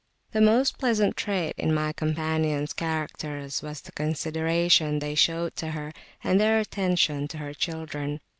The most pleasant trait in my companions' characters was the consideration they showed to her, and their attention to her children.